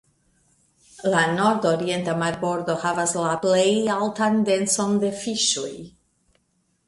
La nordorienta marbordo havas la plej altan denson de fiŝoj.